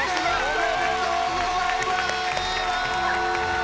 おめでとうございます！